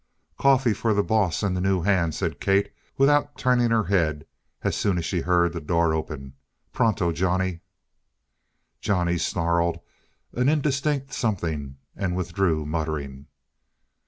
"Coffee for the boss and the new hand," said Kate, without turning her head, as soon as she heard the door open. "Pronto, Johnny." Johnny snarled an indistinct something and withdrew muttering.